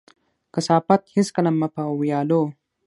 کثافات هيڅکله مه په ويالو،